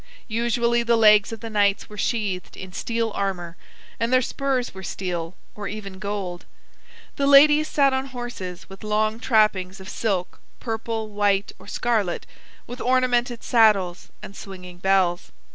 Usually the legs of the knights were sheathed in steel armor; and their spurs were steel, or even gold. The ladies sat on horses with long trappings of silk, purple, white, or scarlet, with ornamented saddles and swinging bells.